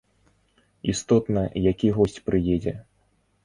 Істотна, які госць прыедзе.